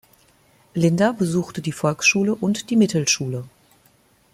Linder besuchte die Volksschule und die Mittelschule.